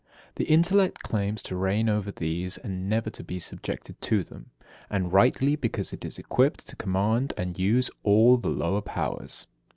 The intellect claims to reign over these, and never to be subjected to them; and rightly, because it is equipped to command and use all the lower powers.